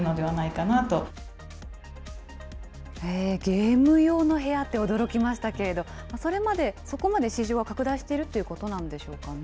ゲーム用の部屋って驚きましたけど、それまで、そこまで市場は拡大しているということなんでしょうかね。